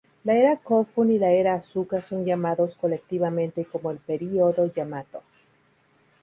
La era Kofun y la era Asuka son llamados colectivamente como el período Yamato.